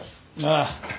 ああ。